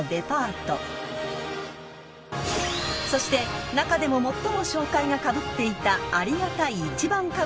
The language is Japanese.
［そして中でも最も紹介がかぶっていたありがたい１番かぶり